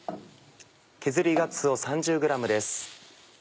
削りがつお３０ｇです。